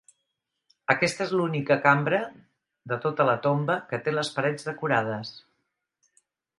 Aquesta és l'única cambra de tota la tomba que té les parets decorades.